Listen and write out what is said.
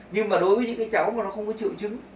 nhưng mà đối với những cái cháu mà nó không có triệu chứng